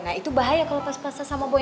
nah itu bahaya kalau pas pasan sama boy